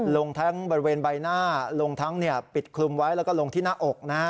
ลงทั้งบริเวณใบหน้าลงทั้งปิดคลุมไว้แล้วก็ลงที่หน้าอกนะฮะ